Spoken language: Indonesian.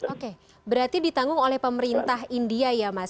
oke berarti ditanggung oleh pemerintah india ya mas